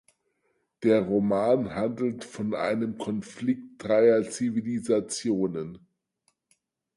Der Roman handelt von einem Konflikt dreier Zivilisationen.